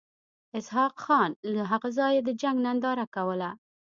اسحق خان له هغه ځایه د جنګ ننداره کوله.